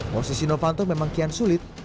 posisi novanto memang kian sulit